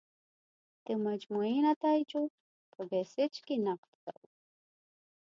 د مجموعي نتایجو په بیسج کې نقد کوو.